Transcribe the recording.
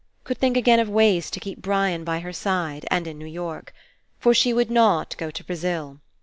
Could think again of ways to keep Brian by her side, and in New York. For she would not go to Brazil.